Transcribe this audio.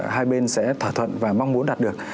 hai bên sẽ thỏa thuận và mong muốn đạt được